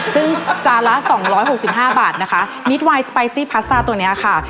ซึ่งจานละสองร้อยหกสิบห้าบาทนะคะมิสไวน์สปไสซี่พาสตาร์ตัวเนี้ยค่ะ